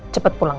cepat pulang ya